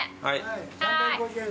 ３５０円。